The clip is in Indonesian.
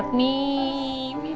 hari ini ada acara